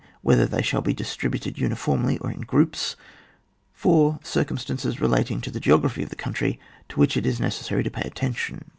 Whether they shall be distributed uniformly, or in groups. 4. Circumstances relating to the geo graphy of the country to which u is necessary to pay attention.